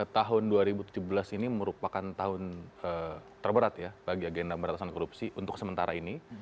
tahun dua ribu tujuh belas ini merupakan tahun terberat ya bagi agenda beratasan korupsi untuk sementara ini